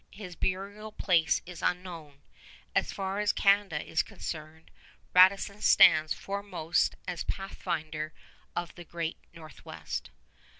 His burial place is unknown. As far as Canada is concerned, Radisson stands foremost as pathfinder of the Great Northwest.